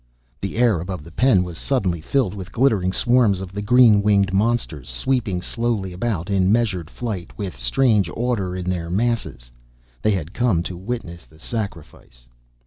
The air above the pen was suddenly filled with glittering swarms of the green winged monsters, sweeping slowly about, in measured flight, with strange order in their masses. They had come to witness the sacrifice!